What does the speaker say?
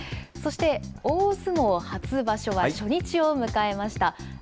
そして、大相撲初場所は初日を迎えました。